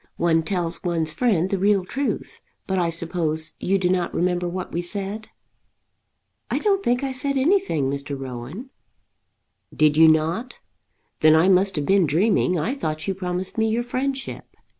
One tells one's friend the real truth. But I suppose you do not remember what we said?" "I don't think I said anything, Mr. Rowan." "Did you not? Then I must have been dreaming. I thought you promised me your friendship."